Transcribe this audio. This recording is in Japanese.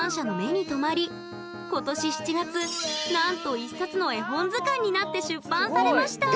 今年７月なんと一冊の絵本図鑑になって出版されました！